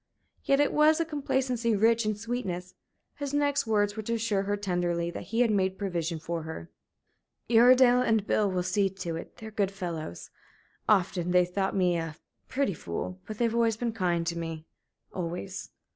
Yet it was a complacency rich in sweetness. His next words were to assure her tenderly that he had made provision for her. "Uredale and Bill will see to it. They're good fellows. Often they've thought me a pretty fool. But they've been kind to me always."